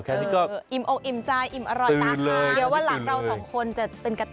แค่ที่ก็ตื่นเลยเดี๋ยวหลักเราสองคนจะเป็นกระตุ๋น